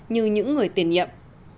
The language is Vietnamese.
như những người tiền nhiệm